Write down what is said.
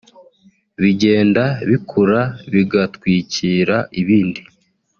bigenda bikura bigatwikira ibindi